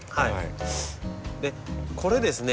でこれですね